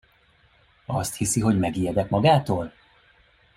Azt hiszi, hogy megijedek magától?